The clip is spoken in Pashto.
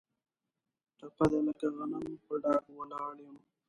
ټپه ده: لکه غنم په ډاګ ولاړ یم.